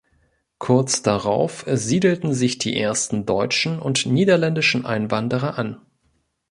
Kurz darauf siedelten sich die ersten deutschen und niederländischen Einwanderer an.